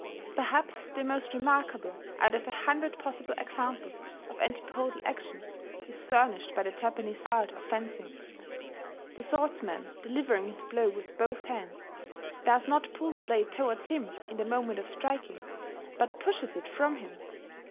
Perhaps the most remarkable, out of a hundred possible examples of antipodal action, is furnished by the Japanese art of fencing. The swordsman, delivering his blow with both hands, does not pull the blade towards him in the moment of striking, but pushes it from him.